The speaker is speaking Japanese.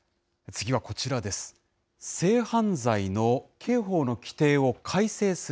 次はこちらです。